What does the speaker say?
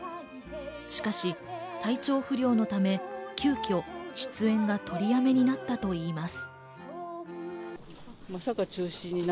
しかし、体調不良のため急きょ出演が取りやめになったといいます。